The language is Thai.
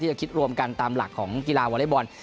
ที่จะคิดรวมกันตามหลักของกีฬาเวอร์เรย์บอล